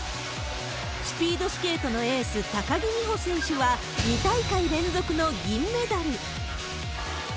スピードスケートのエース、高木美帆選手は、２大会連続の銀メダル。